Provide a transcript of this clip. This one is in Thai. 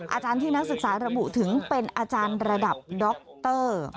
อาจารย์ที่นักศึกษาระบุถึงเป็นอาจารย์ระดับดร